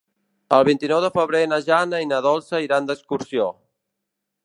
El vint-i-nou de febrer na Jana i na Dolça iran d'excursió.